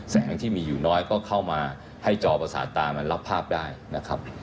แสงที่มีอยู่น้อยก็เข้ามาให้จอประสาทตามันรับภาพได้นะครับ